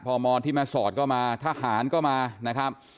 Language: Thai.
พมที่แม่สอดก็มาทหารก็มานะครับ